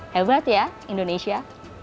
hebat ya indonesia